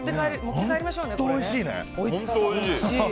本当、おいしいね！